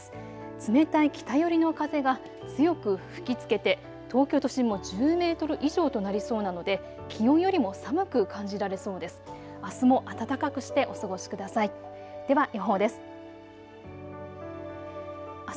冷たい北寄りの風が強く吹きつけて東京都心も１０メートル以上となりそうなので気温よりも寒く感じられそうです。